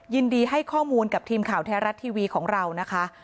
ยินดีให้ข้อมูลกับทีมข่าวแท้รัฐทีวีของเรานะคะ